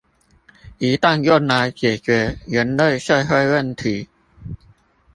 一旦用來解決人類社會問題